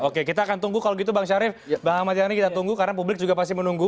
oke kita akan tunggu kalau gitu bang syarif bang ahmad yani kita tunggu karena publik juga pasti menunggu